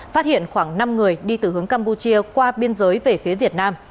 phát hiện khoảng năm người đi từ hướng campuchia qua biên giới về phía việt nam